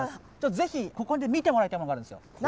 ぜひここで見てもらいたいものがあるんですよ。